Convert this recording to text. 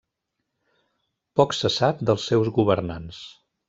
Poc se sap dels seus governants.